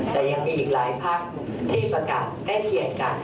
แต่ยังมีอีกหลายพักที่ประกาศใกล้เคียงกัน